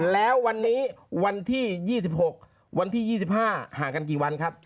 แล้ววันนี้วันที่๒๖วันที่๒๕ห่างกันกี่วันครับ